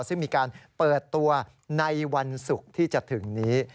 ซึ่งมีการเปิดตัวในวันศุกร์ที่จะถึงนี้